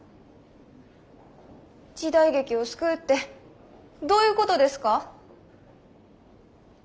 時代劇を救うってどういうことですか？